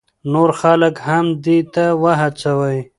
نور خلک هم دې ته وهڅوئ.